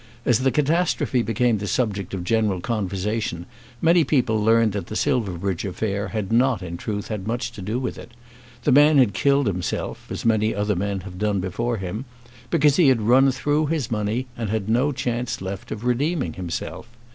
As the catastrophe became the subject of general conversation, many people learned that the Silverbridge affair had not, in truth, had much to do with it. The man had killed himself, as many other men have done before him, because he had run through his money and had no chance left of redeeming himself.